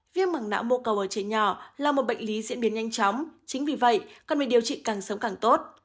viêm mảng não mô cầu ở trẻ nhỏ là một bệnh lý diễn biến nhanh chóng chính vì vậy cần phải điều trị càng sớm càng tốt